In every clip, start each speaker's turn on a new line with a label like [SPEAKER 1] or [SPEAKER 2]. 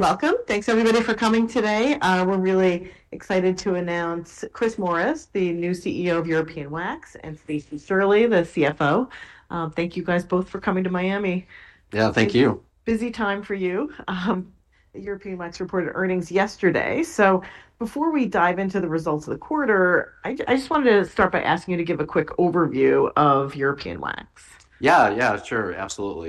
[SPEAKER 1] Welcome. Thanks, everybody, for coming today. We're really excited to announce Chris Morris, the new CEO of European Wax Center, and Stacie Shirley, the CFO. Thank you guys both for coming to Miami.
[SPEAKER 2] Yeah, thank you.
[SPEAKER 1] Busy time for you. European Wax Center reported earnings yesterday. Before we dive into the results of the quarter, I just wanted to start by asking you to give a quick overview of European Wax Center.
[SPEAKER 2] Yeah, yeah, sure. Absolutely.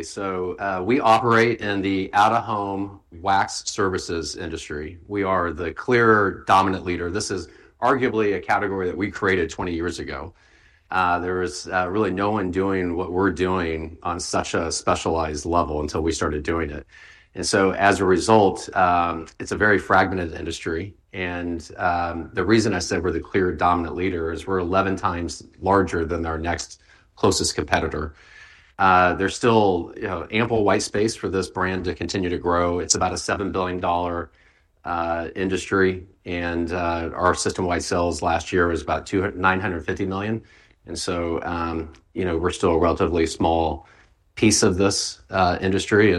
[SPEAKER 2] We operate in the out-of-home wax services industry. We are the clear dominant leader. This is arguably a category that we created 20 years ago. There was really no one doing what we're doing on such a specialized level until we started doing it. As a result, it's a very fragmented industry. The reason I said we're the clear dominant leader is we're 11 times larger than our next closest competitor. There's still ample white space for this brand to continue to grow. It's about a $7 billion industry. Our system-wide sales last year was about $950 million. We're still a relatively small piece of this industry.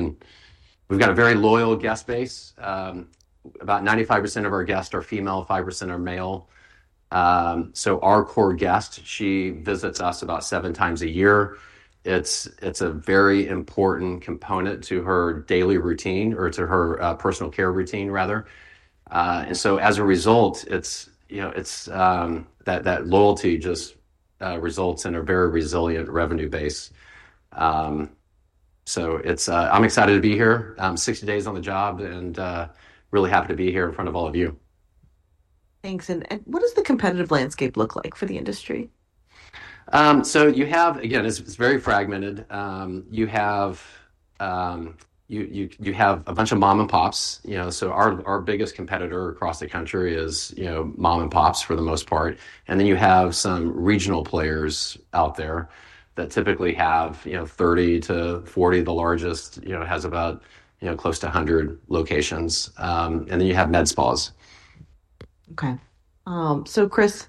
[SPEAKER 2] We've got a very loyal guest base. About 95% of our guests are female, 5% are male. Our core guest, she visits us about seven times a year. It's a very important component to her daily routine or to her personal care routine, rather. As a result, that loyalty just results in a very resilient revenue base. I'm excited to be here. I'm 60 days on the job and really happy to be here in front of all of you.
[SPEAKER 1] Thanks. What does the competitive landscape look like for the industry?
[SPEAKER 2] It is very fragmented. You have a bunch of mom-and-pops. Our biggest competitor across the country is mom-and-pops for the most part. You have some regional players out there that typically have 30-40, the largest has about close to 100 locations. You have med spas.
[SPEAKER 1] Okay. Chris,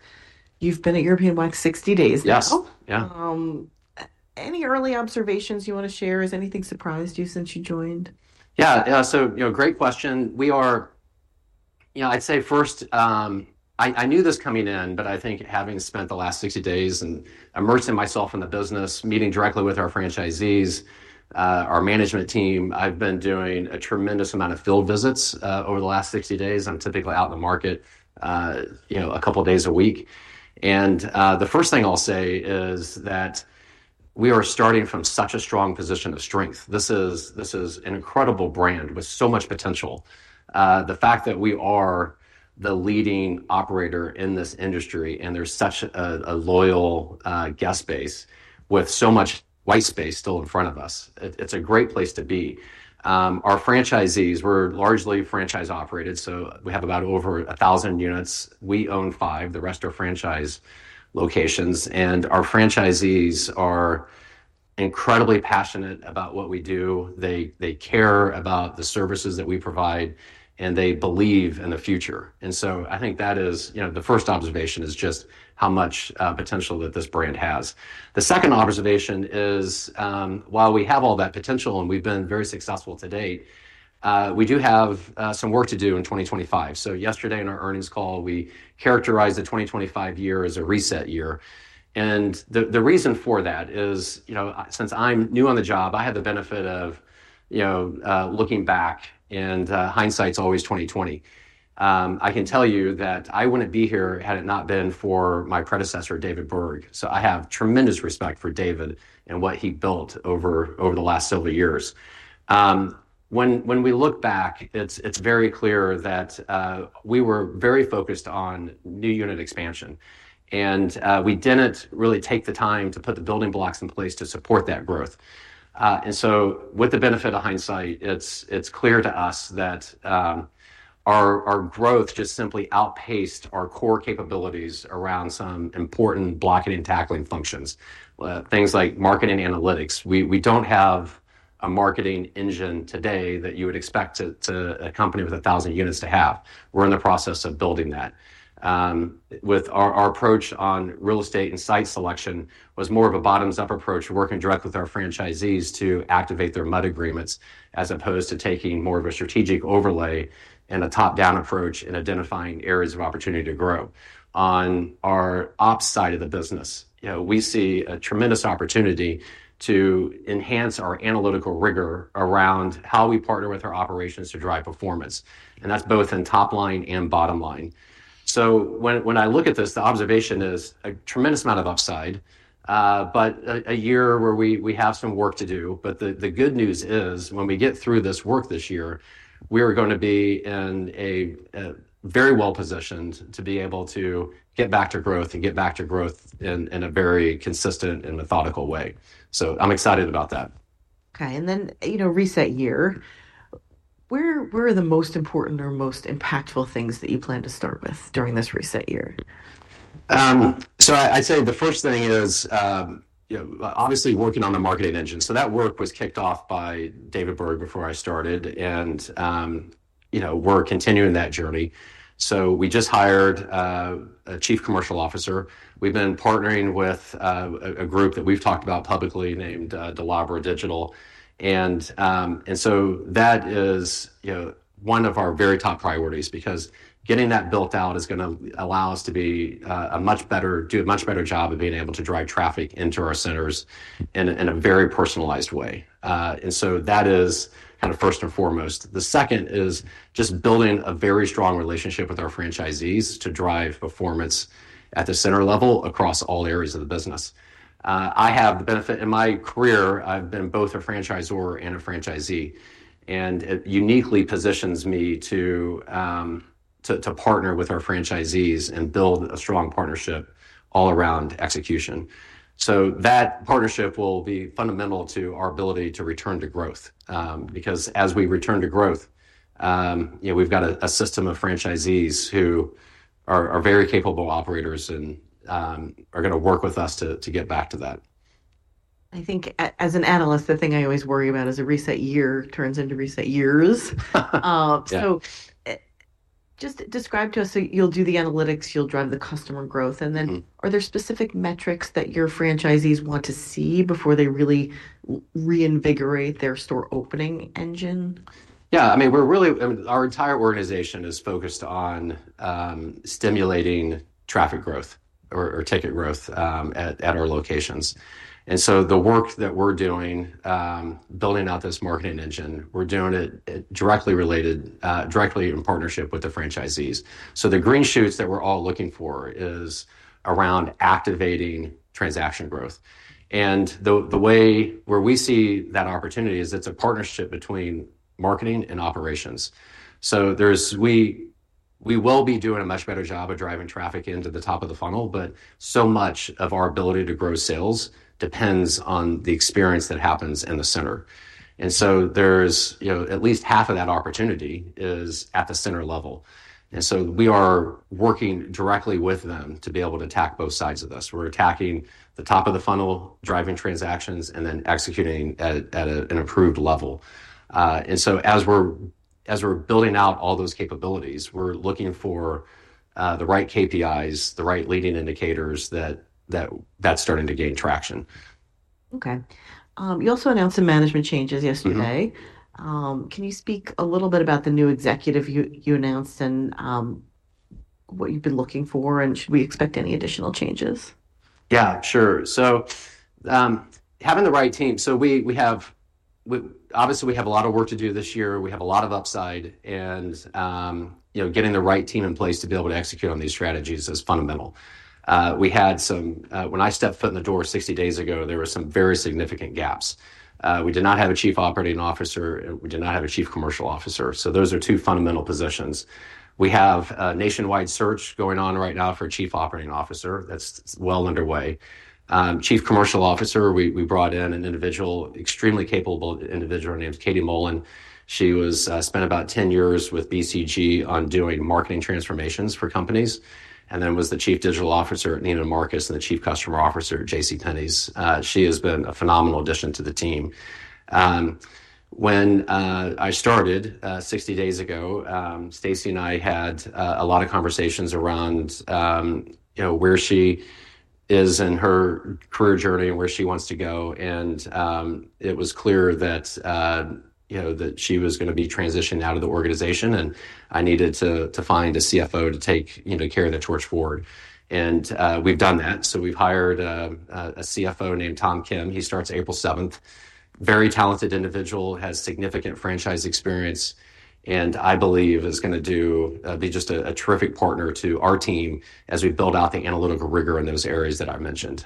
[SPEAKER 1] you've been at European Wax Center 60 days.
[SPEAKER 2] Yes. Yeah.
[SPEAKER 1] Any early observations you want to share? Has anything surprised you since you joined?
[SPEAKER 2] Yeah. Yeah. Great question. I'd say first, I knew this coming in, but I think having spent the last 60 days and immersing myself in the business, meeting directly with our franchisees, our management team, I've been doing a tremendous amount of field visits over the last 60 days. I'm typically out in the market a couple of days a week. The first thing I'll say is that we are starting from such a strong position of strength. This is an incredible brand with so much potential. The fact that we are the leading operator in this industry and there's such a loyal guest base with so much white space still in front of us, it's a great place to be. Our franchisees, we're largely franchise operated, so we have about over 1,000 units. We own five. The rest are franchise locations. Our franchisees are incredibly passionate about what we do. They care about the services that we provide, and they believe in the future. I think that is the first observation, just how much potential this brand has. The second observation is, while we have all that potential and we have been very successful to date, we do have some work to do in 2025. Yesterday, in our earnings call, we characterized the 2025 year as a reset year. The reason for that is, since I am new on the job, I have the benefit of looking back, and hindsight is always 20/20. I can tell you that I would not be here had it not been for my predecessor, David Berg, so I have tremendous respect for David and what he built over the last several years. When we look back, it's very clear that we were very focused on new unit expansion, and we didn't really take the time to put the building blocks in place to support that growth. With the benefit of hindsight, it's clear to us that our growth just simply outpaced our core capabilities around some important blocking and tackling functions, things like marketing analytics. We don't have a marketing engine today that you would expect a company with 1,000 units to have. We're in the process of building that. With our approach on real estate and site selection, it was more of a bottoms-up approach, working directly with our franchisees to activate their MUD agreements, as opposed to taking more of a strategic overlay and a top-down approach in identifying areas of opportunity to grow. On our ops side of the business, we see a tremendous opportunity to enhance our analytical rigor around how we partner with our operations to drive performance. That is both in top line and bottom line. When I look at this, the observation is a tremendous amount of upside, but a year where we have some work to do. The good news is, when we get through this work this year, we are going to be very well positioned to be able to get back to growth and get back to growth in a very consistent and methodical way. I am excited about that.
[SPEAKER 1] Okay. In the reset year, where are the most important or most impactful things that you plan to start with during this reset year?
[SPEAKER 2] I'd say the first thing is, obviously, working on the marketing engine. That work was kicked off by David Berg before I started, and we're continuing that journey. We just hired a Chief Commercial Officer. We've been partnering with a group that we've talked about publicly named Dolabra Digital. That is one of our very top priorities because getting that built out is going to allow us to do a much better job of being able to drive traffic into our centers in a very personalized way. That is kind of first and foremost. The second is just building a very strong relationship with our franchisees to drive performance at the center level across all areas of the business. I have the benefit in my career, I've been both a franchisor and a franchisee, and it uniquely positions me to partner with our franchisees and build a strong partnership all around execution. That partnership will be fundamental to our ability to return to growth because, as we return to growth, we've got a system of franchisees who are very capable operators and are going to work with us to get back to that.
[SPEAKER 1] I think, as an analyst, the thing I always worry about is a reset year turns into reset years. Just describe to us, you'll do the analytics, you'll drive the customer growth, and then are there specific metrics that your franchisees want to see before they really reinvigorate their store opening engine?
[SPEAKER 2] Yeah. I mean, our entire organization is focused on stimulating traffic growth or ticket growth at our locations. The work that we're doing, building out this marketing engine, we're doing it directly in partnership with the franchisees. The green shoots that we're all looking for is around activating transaction growth. The way where we see that opportunity is it's a partnership between marketing and operations. We will be doing a much better job of driving traffic into the top of the funnel, but so much of our ability to grow sales depends on the experience that happens in the center. At least half of that opportunity is at the center level. We are working directly with them to be able to attack both sides of this. We're attacking the top of the funnel, driving transactions, and then executing at an improved level. As we're building out all those capabilities, we're looking for the right KPIs, the right leading indicators that that's starting to gain traction.
[SPEAKER 1] Okay. You also announced some management changes yesterday. Can you speak a little bit about the new executive you announced and what you've been looking for, and should we expect any additional changes?
[SPEAKER 2] Yeah, sure. Having the right team. Obviously, we have a lot of work to do this year. We have a lot of upside. Getting the right team in place to be able to execute on these strategies is fundamental. When I stepped foot in the door 60 days ago, there were some very significant gaps. We did not have a Chief Operating Officer, and we did not have a Chief Commercial Officer. Those are two fundamental positions. We have a nationwide search going on right now for a Chief Operating Officer. That's well underway. Chief Commercial Officer, we brought in an extremely capable individual named Katie Mullen. She spent about 10 years with BCG on doing marketing transformations for companies and then was the Chief Digital Officer at Neiman Marcus and the Chief Customer Officer at JCPenney. She has been a phenomenal addition to the team. When I started 60 days ago, Stacie and I had a lot of conversations around where she is in her career journey and where she wants to go. It was clear that she was going to be transitioned out of the organization, and I needed to find a CFO to take care of the torch forward. We have done that. We have hired a CFO named Tom Kim. He starts April 7th. Very talented individual, has significant franchise experience, and I believe is going to be just a terrific partner to our team as we build out the analytical rigor in those areas that I mentioned.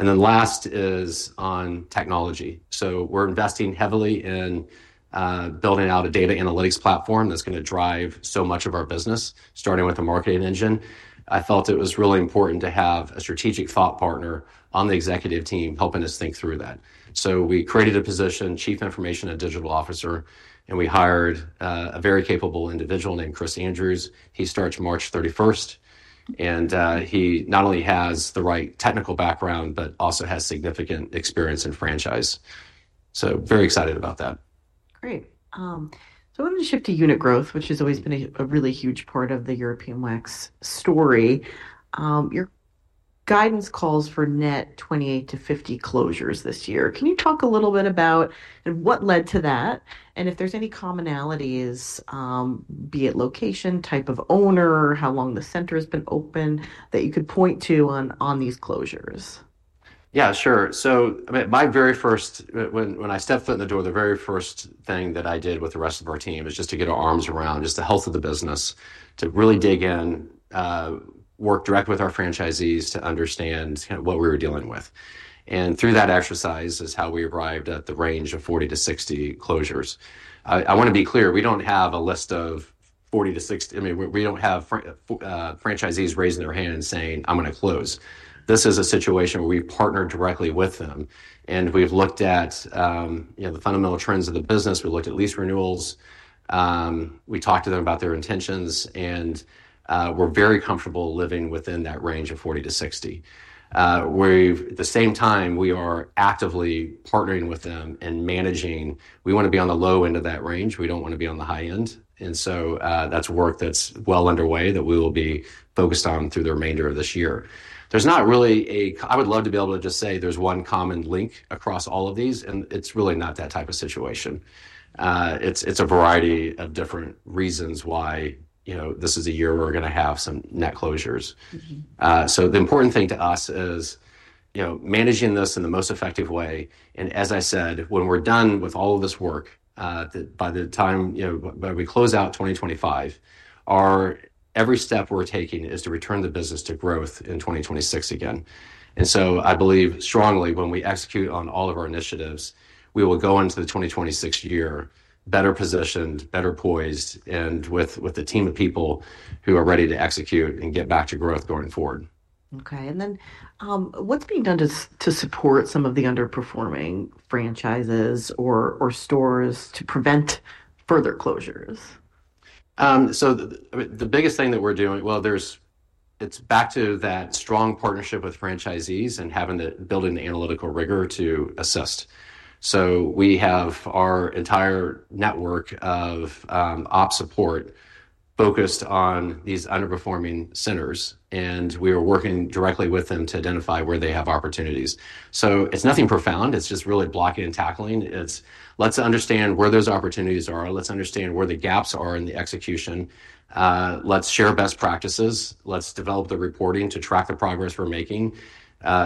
[SPEAKER 2] Last is on technology. We are investing heavily in building out a data analytics platform that is going to drive so much of our business, starting with the marketing engine. I felt it was really important to have a strategic thought partner on the executive team helping us think through that. We created a position, Chief Information and Digital Officer, and we hired a very capable individual named Chris Andrews. He starts March 31st. He not only has the right technical background, but also has significant experience in franchise. Very excited about that.
[SPEAKER 1] Great. I wanted to shift to unit growth, which has always been a really huge part of the European Wax story. Your guidance calls for net 28-50 closures this year. Can you talk a little bit about what led to that and if there's any commonalities, be it location, type of owner, how long the center has been open that you could point to on these closures?
[SPEAKER 2] Yeah, sure. My very first, when I stepped foot in the door, the very first thing that I did with the rest of our team is just to get our arms around just the health of the business, to really dig in, work directly with our franchisees to understand what we were dealing with. Through that exercise is how we arrived at the range of 40-60 closures. I want to be clear, we do not have a list of 40-60. I mean, we do not have franchisees raising their hand and saying, "I'm going to close." This is a situation where we partner directly with them. We looked at the fundamental trends of the business. We looked at lease renewals. We talked to them about their intentions, and we are very comfortable living within that range of 40-60. At the same time, we are actively partnering with them and managing. We want to be on the low end of that range. We do not want to be on the high end. That is work that is well underway that we will be focused on through the remainder of this year. There is not really a, I would love to be able to just say there is one common link across all of these, and it is really not that type of situation. It is a variety of different reasons why this is a year we are going to have some net closures. The important thing to us is managing this in the most effective way. As I said, when we are done with all of this work, by the time we close out 2025, every step we are taking is to return the business to growth in 2026 again. I believe strongly when we execute on all of our initiatives, we will go into the 2026 year better positioned, better poised, and with a team of people who are ready to execute and get back to growth going forward.
[SPEAKER 1] Okay. What is being done to support some of the underperforming franchises or stores to prevent further closures?
[SPEAKER 2] The biggest thing that we're doing, it's back to that strong partnership with franchisees and building the analytical rigor to assist. We have our entire network of ops support focused on these underperforming centers, and we are working directly with them to identify where they have opportunities. It's nothing profound. It's just really blocking and tackling. Let's understand where those opportunities are. Let's understand where the gaps are in the execution. Let's share best practices. Let's develop the reporting to track the progress we're making.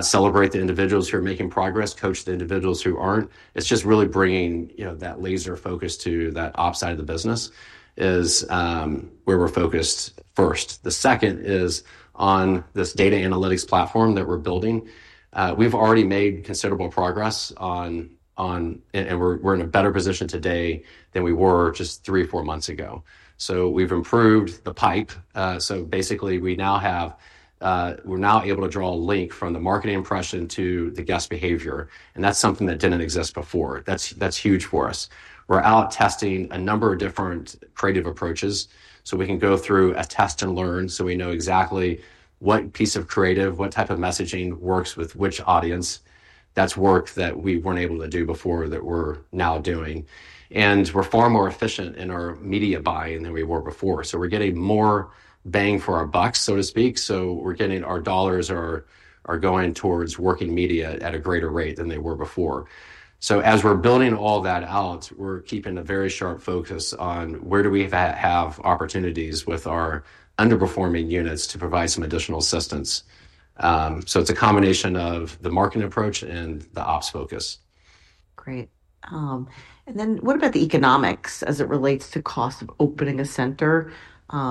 [SPEAKER 2] Celebrate the individuals who are making progress, coach the individuals who aren't. It's just really bringing that laser focus to that ops side of the business is where we're focused first. The second is on this data analytics platform that we're building. We've already made considerable progress, and we're in a better position today than we were just three or four months ago. We've improved the pipe. Basically, we're now able to draw a link from the marketing impression to the guest behavior. That's something that didn't exist before. That's huge for us. We're out testing a number of different creative approaches. We can go through a test and learn so we know exactly what piece of creative, what type of messaging works with which audience. That's work that we weren't able to do before that we're now doing. We're far more efficient in our media buying than we were before. We're getting more bang for our bucks, so to speak. We're getting our dollars are going towards working media at a greater rate than they were before. As we're building all that out, we're keeping a very sharp focus on where do we have opportunities with our underperforming units to provide some additional assistance. It's a combination of the marketing approach and the ops focus.
[SPEAKER 1] Great. What about the economics as it relates to cost of opening a center,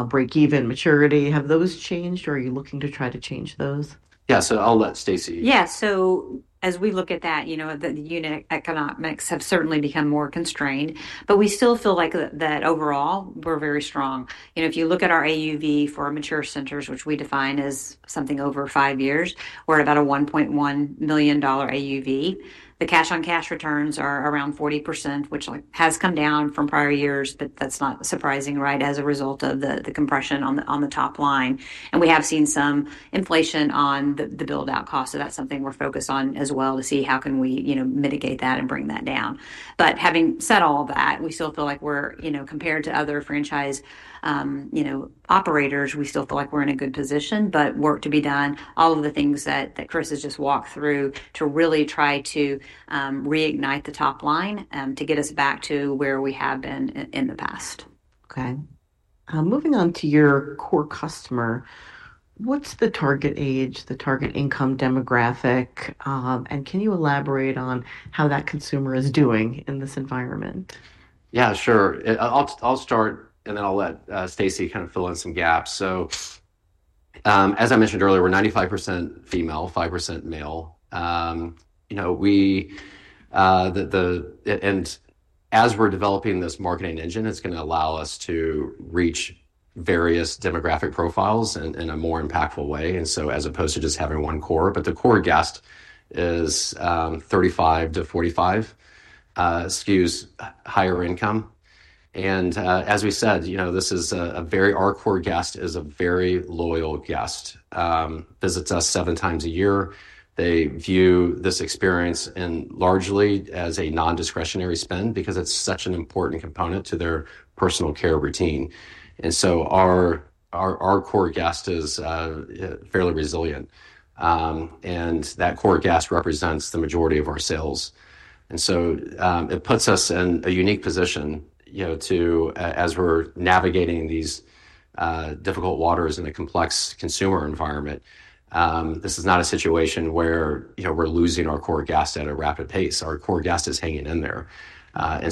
[SPEAKER 1] break-even, maturity? Have those changed, or are you looking to try to change those?
[SPEAKER 2] Yeah. I'll let Stacie answer.
[SPEAKER 3] Yeah. As we look at that, the unit economics have certainly become more constrained, but we still feel like that overall, we're very strong. If you look at our AUV for our mature centers, which we define as something over five years, we're at about a $1.1 million AUV. The cash-on-cash returns are around 40%, which has come down from prior years, but that's not surprising, right, as a result of the compression on the top line. We have seen some inflation on the build-out cost. That's something we're focused on as well to see how can we mitigate that and bring that down. Having said all that, we still feel like we're, compared to other franchise operators, we still feel like we're in a good position, but work to be done, all of the things that Chris has just walked through to really try to reignite the top line to get us back to where we have been in the past.
[SPEAKER 1] Okay. Moving on to your core customer, what's the target age, the target income demographic, and can you elaborate on how that consumer is doing in this environment?
[SPEAKER 2] Yeah, sure. I'll start, and then I'll let Stacie kind of fill in some gaps. As I mentioned earlier, we're 95% female, 5% male. As we're developing this marketing engine, it's going to allow us to reach various demographic profiles in a more impactful way. As opposed to just having one core, but the core guest is 35-45, skews, higher income. As we said, our core guest is a very loyal guest. Visits us seven times a year. They view this experience largely as a non-discretionary spend because it's such an important component to their personal care routine. Our core guest is fairly resilient. That core guest represents the majority of our sales. It puts us in a unique position as we're navigating these difficult waters in a complex consumer environment. This is not a situation where we're losing our core guest at a rapid pace. Our core guest is hanging in there.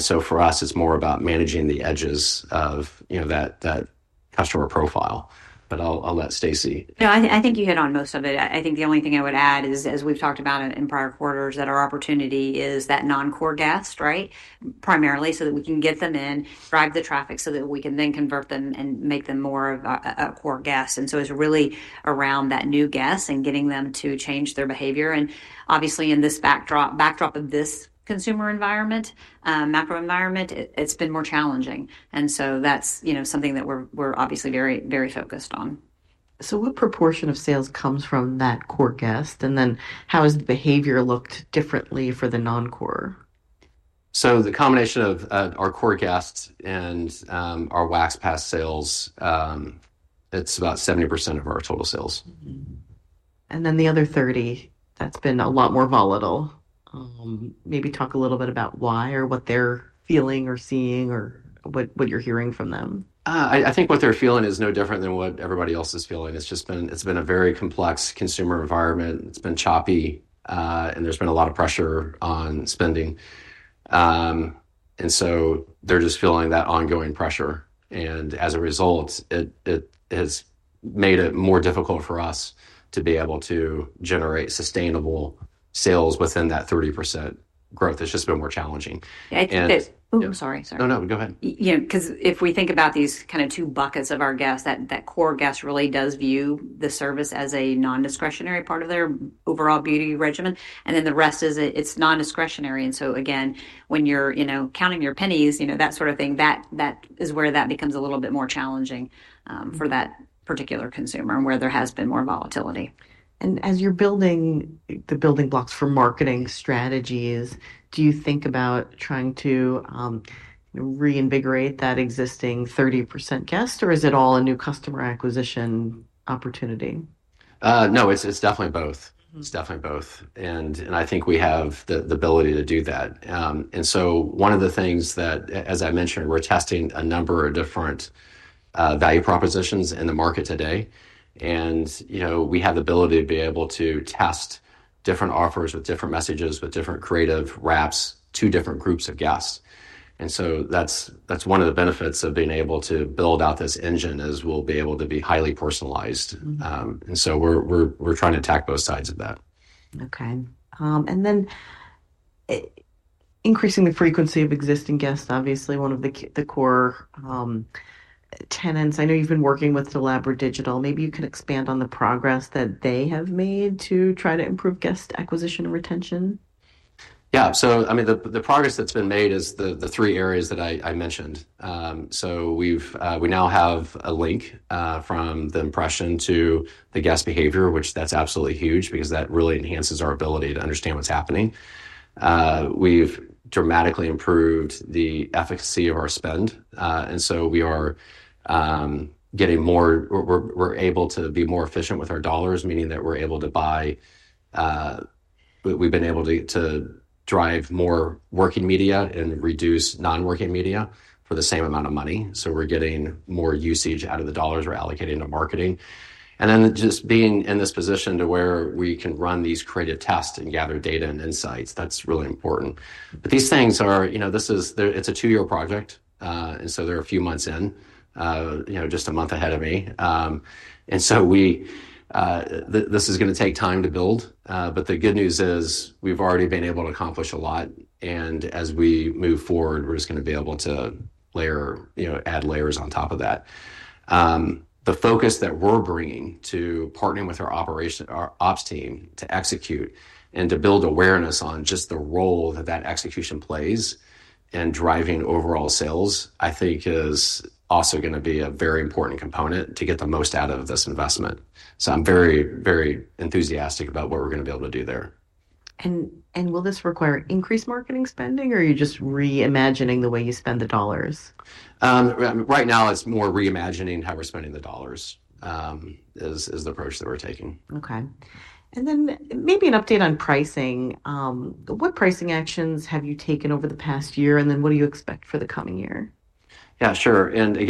[SPEAKER 2] For us, it's more about managing the edges of that customer profile. I'll let Stacie.
[SPEAKER 3] No, I think you hit on most of it. I think the only thing I would add is, as we've talked about in prior quarters, that our opportunity is that non-core guest, right, primarily so that we can get them in, drive the traffic so that we can then convert them and make them more of a core guest. It is really around that new guest and getting them to change their behavior. Obviously, in this backdrop of this consumer environment, macro environment, it's been more challenging. That is something that we're obviously very, very focused on.
[SPEAKER 1] What proportion of sales comes from that core guest? And then how has the behavior looked differently for the non-core?
[SPEAKER 2] The combination of our core guests and our Wax Pass sales, it's about 70% of our total sales.
[SPEAKER 1] The other 30, that's been a lot more volatile. Maybe talk a little bit about why or what they're feeling or seeing or what you're hearing from them.
[SPEAKER 2] I think what they're feeling is no different than what everybody else is feeling. It's been a very complex consumer environment. It's been choppy, and there's been a lot of pressure on spending. They're just feeling that ongoing pressure. As a result, it has made it more difficult for us to be able to generate sustainable sales within that 30% growth. It's just been more challenging.
[SPEAKER 3] I think that. Oh, I'm sorry. Sorry.
[SPEAKER 2] No, no, go ahead.
[SPEAKER 3] Because if we think about these kind of two buckets of our guests, that core guest really does view the service as a non-discretionary part of their overall beauty regimen. The rest is it's non-discretionary. When you're counting your pennies, that sort of thing, that is where that becomes a little bit more challenging for that particular consumer and where there has been more volatility.
[SPEAKER 1] As you're building the building blocks for marketing strategies, do you think about trying to reinvigorate that existing 30% guest, or is it all a new customer acquisition opportunity?
[SPEAKER 2] No, it's definitely both. It's definitely both. I think we have the ability to do that. One of the things that, as I mentioned, we're testing a number of different value propositions in the market today. We have the ability to be able to test different offers with different messages, with different creative wraps to different groups of guests. That's one of the benefits of being able to build out this engine is we'll be able to be highly personalized. We're trying to attack both sides of that.
[SPEAKER 1] Okay. Increasing the frequency of existing guests, obviously one of the core tenets. I know you've been working with Dolabra Digital. Maybe you can expand on the progress that they have made to try to improve guest acquisition and retention.
[SPEAKER 2] Yeah. I mean, the progress that's been made is the three areas that I mentioned. We now have a link from the impression to the guest behavior, which is absolutely huge because that really enhances our ability to understand what's happening. We've dramatically improved the efficacy of our spend. We are getting more, we're able to be more efficient with our dollars, meaning that we're able to buy, we've been able to drive more working media and reduce non-working media for the same amount of money. We're getting more usage out of the dollars we're allocating to marketing. Just being in this position where we can run these creative tests and gather data and insights, that's really important. These things are a two-year project. They're a few months in, just a month ahead of me. This is going to take time to build. The good news is we've already been able to accomplish a lot. As we move forward, we're just going to be able to add layers on top of that. The focus that we're bringing to partnering with our ops team to execute and to build awareness on just the role that that execution plays in driving overall sales, I think, is also going to be a very important component to get the most out of this investment. I'm very, very enthusiastic about what we're going to be able to do there.
[SPEAKER 1] Will this require increased marketing spending, or are you just reimagining the way you spend the dollars?
[SPEAKER 2] Right now, it's more reimagining how we're spending the dollars is the approach that we're taking.
[SPEAKER 1] Okay. Maybe an update on pricing. What pricing actions have you taken over the past year, and what do you expect for the coming year?
[SPEAKER 2] Yeah, sure.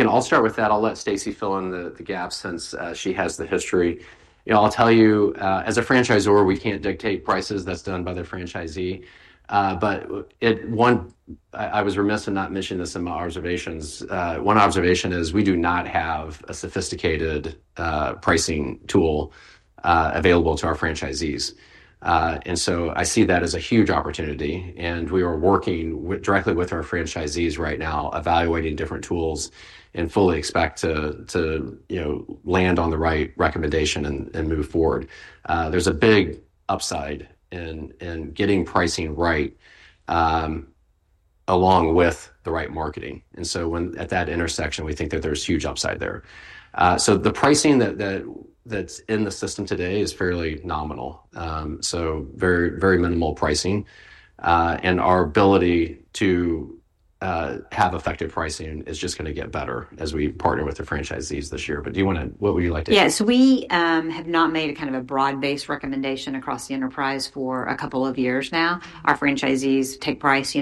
[SPEAKER 2] I'll start with that. I'll let Stacie fill in the gaps since she has the history. I'll tell you, as a franchisor, we can't dictate prices. That's done by the franchisee. I was remiss in not mentioning this in my observations. One observation is we do not have a sophisticated pricing tool available to our franchisees. I see that as a huge opportunity. We are working directly with our franchisees right now, evaluating different tools and fully expect to land on the right recommendation and move forward. There's a big upside in getting pricing right along with the right marketing. At that intersection, we think that there's huge upside there. The pricing that's in the system today is fairly nominal. Very minimal pricing. Our ability to have effective pricing is just going to get better as we partner with the franchisees this year. Do you want to, what would you like to hear?
[SPEAKER 3] Yeah. We have not made a kind of a broad-based recommendation across the enterprise for a couple of years now. Our franchisees take price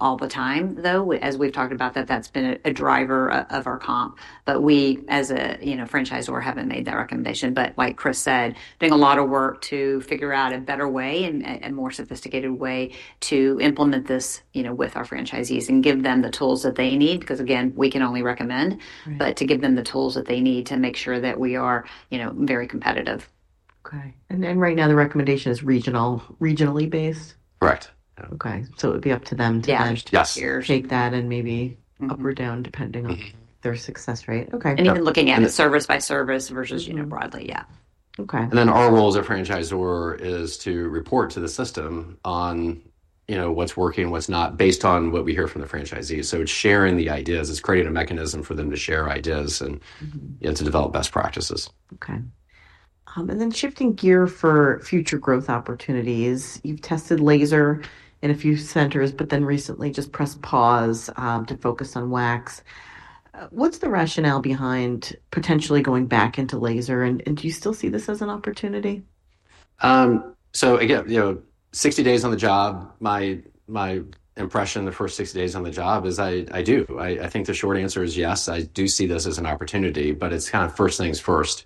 [SPEAKER 3] all the time, though. As we've talked about, that's been a driver of our comp. We, as a franchisor, haven't made that recommendation. Like Chris said, doing a lot of work to figure out a better way and a more sophisticated way to implement this with our franchisees and give them the tools that they need because, again, we can only recommend, but to give them the tools that they need to make sure that we are very competitive.
[SPEAKER 1] Okay. Right now, the recommendation is regionally based?
[SPEAKER 2] Correct.
[SPEAKER 1] Okay. It would be up to them to manage to take that and maybe up or down depending on their success rate. Okay.
[SPEAKER 3] Even looking at it service by service versus broadly. Yeah.
[SPEAKER 2] Our role as a franchisor is to report to the system on what's working, what's not, based on what we hear from the franchisees. It is sharing the ideas. It is creating a mechanism for them to share ideas and to develop best practices.
[SPEAKER 1] Okay. Shifting gear for future growth opportunities. You've tested laser in a few centers, but then recently just pressed pause to focus on wax. What's the rationale behind potentially going back into laser? Do you still see this as an opportunity?
[SPEAKER 2] Again, 60 days on the job, my impression the first 60 days on the job is I do. I think the short answer is yes. I do see this as an opportunity, but it's kind of first things first.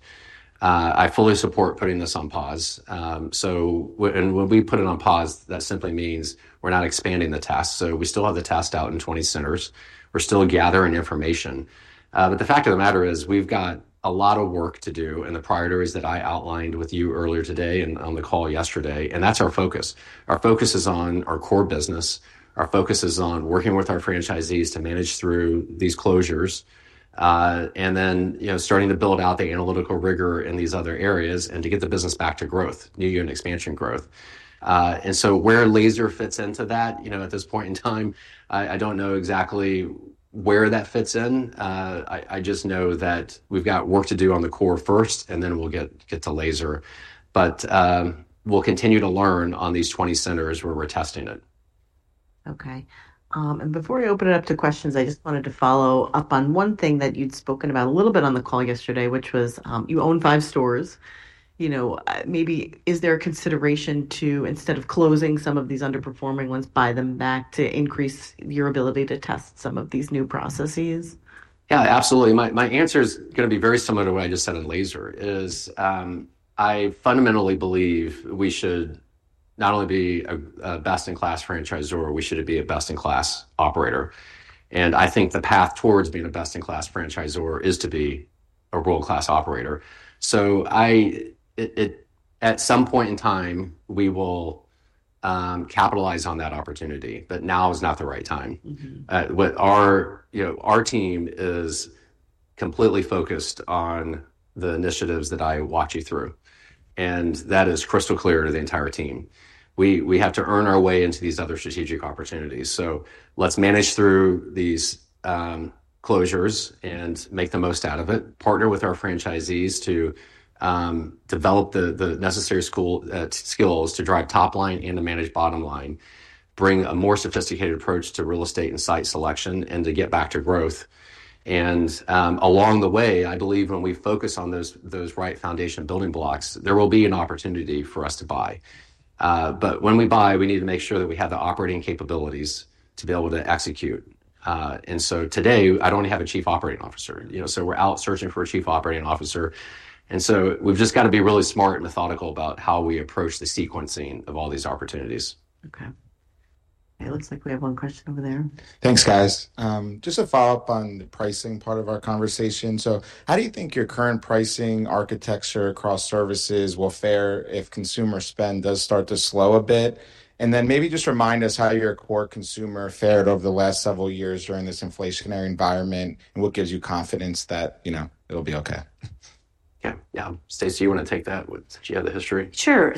[SPEAKER 2] I fully support putting this on pause. When we put it on pause, that simply means we're not expanding the test. We still have the test out in 20 centers. We're still gathering information. The fact of the matter is we've got a lot of work to do in the priorities that I outlined with you earlier today and on the call yesterday. That's our focus. Our focus is on our core business. Our focus is on working with our franchisees to manage through these closures and then starting to build out the analytical rigor in these other areas to get the business back to growth, new unit expansion growth. Where laser fits into that at this point in time, I don't know exactly where that fits in. I just know that we've got work to do on the core first, and then we'll get to laser. We'll continue to learn on these 20 centers where we're testing it.
[SPEAKER 1] Okay. Before I open it up to questions, I just wanted to follow-up on one thing that you'd spoken about a little bit on the call yesterday, which was you own five stores. Maybe is there a consideration to, instead of closing some of these underperforming ones, buy them back to increase your ability to test some of these new processes?
[SPEAKER 2] Yeah, absolutely. My answer is going to be very similar to what I just said in laser is I fundamentally believe we should not only be a best-in-class franchisor, we should be a best-in-class operator. I think the path towards being a best-in-class franchisor is to be a world-class operator. At some point in time, we will capitalize on that opportunity, but now is not the right time. Our team is completely focused on the initiatives that I walk you through. That is crystal clear to the entire team. We have to earn our way into these other strategic opportunities. Let's manage through these closures and make the most out of it, partner with our franchisees to develop the necessary skills to drive top line and to manage bottom line, bring a more sophisticated approach to real estate and site selection, and to get back to growth. Along the way, I believe when we focus on those right foundation building blocks, there will be an opportunity for us to buy. When we buy, we need to make sure that we have the operating capabilities to be able to execute. Today, I do not even have a Chief Operating Officer. We are out searching for a Chief Operating Officer. We have just got to be really smart and methodical about how we approach the sequencing of all these opportunities.
[SPEAKER 1] Okay. It looks like we have one question over there. Thanks, guys. Just a follow-up on the pricing part of our conversation. How do you think your current pricing architecture across services will fare if consumer spend does start to slow a bit? Maybe just remind us how your core consumer fared over the last several years during this inflationary environment and what gives you confidence that it'll be okay.
[SPEAKER 2] Yeah. Yeah. Stacie, you want to take that? Do you have the history?
[SPEAKER 3] Sure.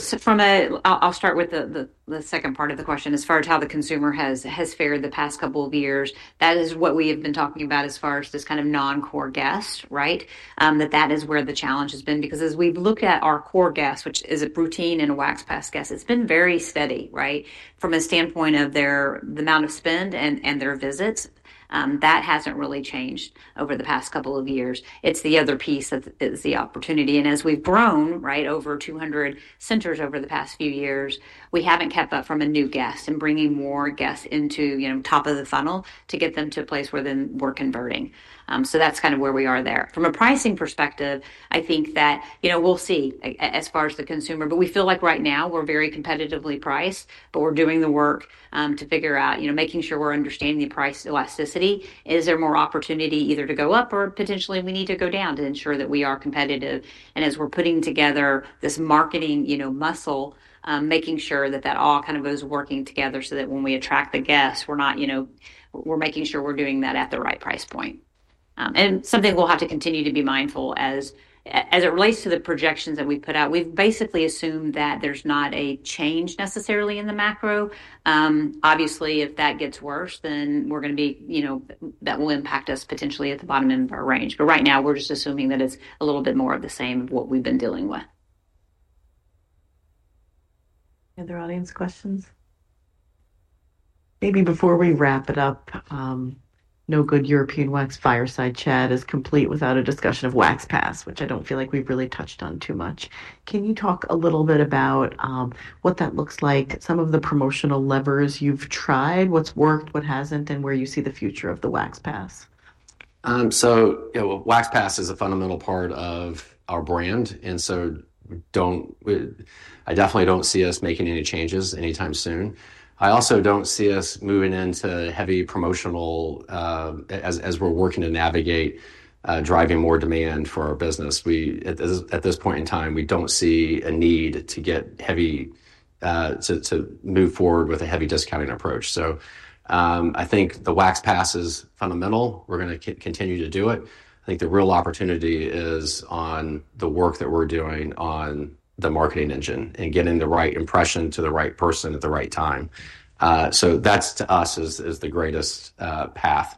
[SPEAKER 3] I'll start with the second part of the question as far as how the consumer has fared the past couple of years. That is what we have been talking about as far as this kind of non-core guest, right? That is where the challenge has been. Because as we've looked at our core guest, which is a routine and a Wax Pass guest, it's been very steady, right? From a standpoint of the amount of spend and their visits, that hasn't really changed over the past couple of years. It's the other piece that is the opportunity. As we've grown over 200 centers over the past few years, we haven't kept up from a new guest and bringing more guests into top of the funnel to get them to a place where then we're converting. That is kind of where we are there. From a pricing perspective, I think that we'll see as far as the consumer. We feel like right now, we're very competitively priced, but we're doing the work to figure out making sure we're understanding the price elasticity. Is there more opportunity either to go up or potentially we need to go down to ensure that we are competitive? As we're putting together this marketing muscle, making sure that that all kind of goes working together so that when we attract the guests, we're making sure we're doing that at the right price point. Something we'll have to continue to be mindful as it relates to the projections that we've put out. We've basically assumed that there's not a change necessarily in the macro. Obviously, if that gets worse, then that will impact us potentially at the bottom end of our range. Right now, we're just assuming that it's a little bit more of the same of what we've been dealing with.
[SPEAKER 1] Any other audience questions? Maybe before we wrap it up, no good European Wax fireside chat is complete without a discussion of Wax Pass, which I don't feel like we've really touched on too much. Can you talk a little bit about what that looks like, some of the promotional levers you've tried, what's worked, what hasn't, and where you see the future of the Wax Pass?
[SPEAKER 2] Wax Pass is a fundamental part of our brand. I definitely don't see us making any changes anytime soon. I also don't see us moving into heavy promotional as we're working to navigate driving more demand for our business. At this point in time, we don't see a need to move forward with a heavy discounting approach. I think the Wax Pass is fundamental. We're going to continue to do it. I think the real opportunity is on the work that we're doing on the marketing engine and getting the right impression to the right person at the right time. That to us is the greatest path.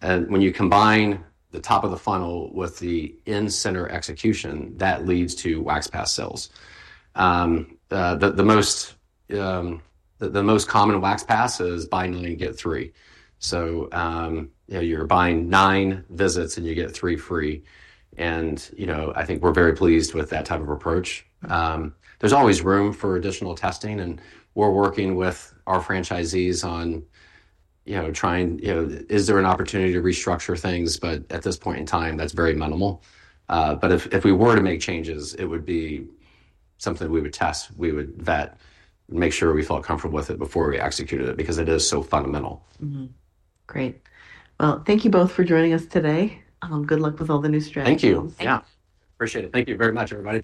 [SPEAKER 2] When you combine the top of the funnel with the in-center execution, that leads to Wax Pass sales. The most common Wax Pass is buy nine and get three. You're buying nine visits and you get three free. I think we're very pleased with that type of approach. There's always room for additional testing. We're working with our franchisees on trying is there an opportunity to restructure things, but at this point in time, that's very minimal. If we were to make changes, it would be something we would test. We would vet, make sure we felt comfortable with it before we executed it because it is so fundamental.
[SPEAKER 1] Great. Thank you both for joining us today. Good luck with all the new strategies.
[SPEAKER 2] Thank you. Yeah. Appreciate it. Thank you very much, everybody.